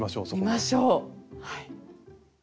見ましょう。